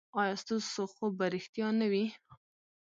ایا ستاسو خوب به ریښتیا نه وي؟